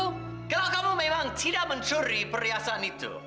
oh kalau kamu memang tidak mencuri perhiasan itu